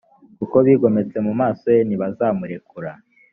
kuko bigometse mu maso ye ntibazamurekura